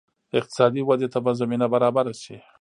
اقتصادي ودې ته به زمینه برابره شي.